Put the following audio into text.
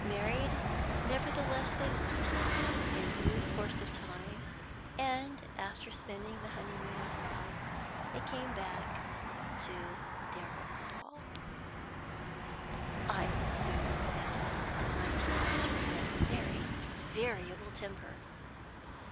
Married, nevertheless, they were, in due course of time; and, after spending the honeymoon abroad, they came back to Darrock Hall. I soon found that my new master had a very variable temper.